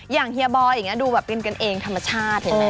อย่างเฮียบอยดูแบบเป็นกันเองธรรมชาติเห็นไหม